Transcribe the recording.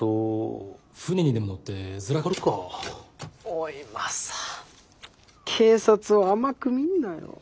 おいマサ警察を甘く見んなよ。